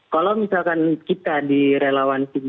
kalau misalkan kita direlawan sini